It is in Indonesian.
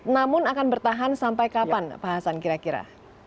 namun akan bertahan sampai kapan pak hasan kira kira